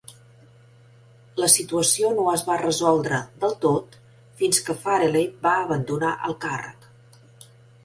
La situació no es va resoldre del tot fins que Fareley va abandonar el càrrec.